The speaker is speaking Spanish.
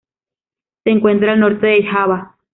Se encuentra al norte de Java.